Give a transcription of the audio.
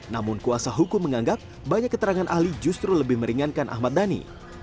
namun kuasa hukum menganggap banyak keterangan ahli justru lebih meringankan ahmad dhani